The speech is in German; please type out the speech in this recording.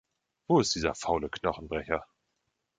Wo ist dieser faule Knochenbrecher?